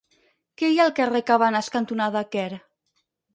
Què hi ha al carrer Cabanes cantonada Quer?